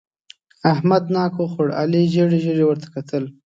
احمد ناک خوړ؛ علي ژېړې ژېړې ورته کتل.